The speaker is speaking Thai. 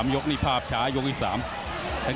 ๓ยกนี้ภาพช้ายกอีก๓